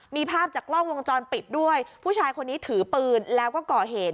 มีภาพจากกล้องวงจรปิดด้วยผู้ชายคนนี้ถือปืนแล้วก็ก่อเหตุ